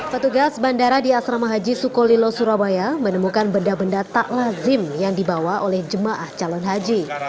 petugas bandara di asrama haji sukolilo surabaya menemukan benda benda tak lazim yang dibawa oleh jemaah calon haji